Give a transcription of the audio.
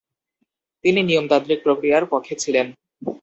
তিনি নিয়মতান্ত্রিক প্রক্রিয়ার পক্ষে ছিলেন।